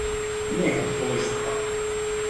Miehet poistuvat.